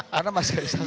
karena mas keesang